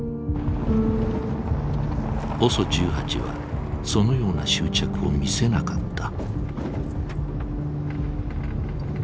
ＯＳＯ１８はそのような執着を見せなかった。